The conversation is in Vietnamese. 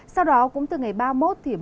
sau đó cũng từ ngày ba mươi một mưa rông